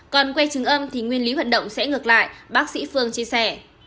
còn quay chứng âm thì nguyên lý hoạt động sẽ ngược lại bác sĩ phương chia sẻ